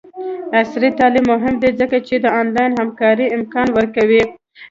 عصري تعلیم مهم دی ځکه چې د آنلاین همکارۍ امکان ورکوي.